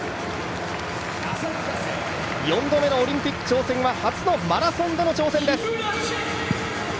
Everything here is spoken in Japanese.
４度目のオリンピック挑戦は初のマラソンでの挑戦です。